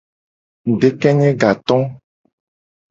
Ngudekenye gato.